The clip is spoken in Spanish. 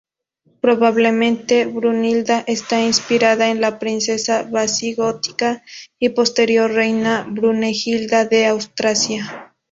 Probablemente, Brunilda está inspirada en la princesa visigótica y posterior reina Brunegilda de Austrasia.